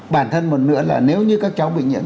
bản thân một nữa là nếu như các cháu bị nhiễm